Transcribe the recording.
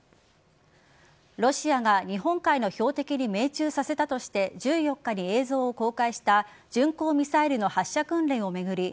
ロシアが日本海の標的に命中させたとして１４日に映像を公開した巡航ミサイルの発射訓練を巡り